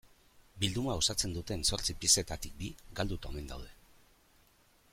Bilduma osatzen duten zortzi piezetatik bi galduta omen daude.